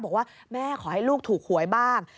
บอกว่าแม่ขอให้ลูกถูกหวยบ้าง